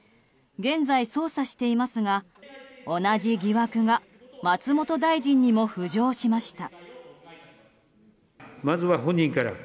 現在、捜査していますが同じ疑惑が松本大臣にも浮上しました。